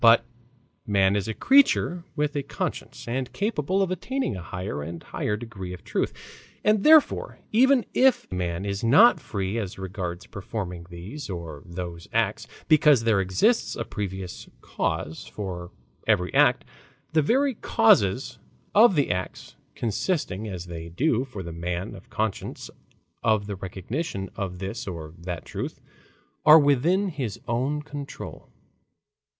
But man is a creature with a conscience and capable of attaining a higher and higher degree of truth. And therefore even if man is not free as regards performing these or those acts because there exists a previous cause for every act, the very causes of his acts, consisting as they do for the man of conscience of the recognition of this or that truth, are within his own control.